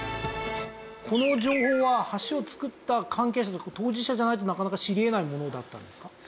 この情報は橋をつくった関係者とか当事者じゃないとなかなか知り得ないものだったんですか？